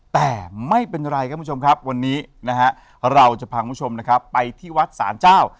แต่ไม่เป็นไรครับคุณผู้ชมครับวันนี้นะฮะเราจะพาคุณผู้ชมนะครับไปที่วัดศาลเจ้า